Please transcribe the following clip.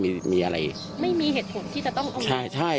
ไม่มีเหตุผลที่จะต้องเอามา